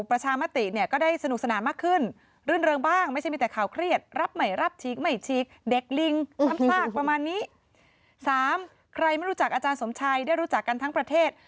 รู้จักอาจารย์สมชัยได้รู้จักกันทั้งประเทศ